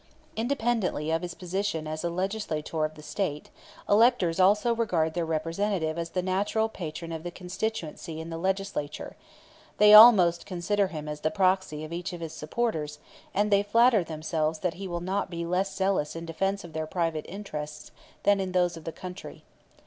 Independently of his position as a legislator of the State, electors also regard their Representative as the natural patron of the constituency in the Legislature; they almost consider him as the proxy of each of his supporters, and they flatter themselves that he will not be less zealous in defense of their private interests than of those of the country.